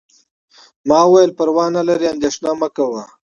ما وویل: پروا نه لري، اندیښنه مه کوه.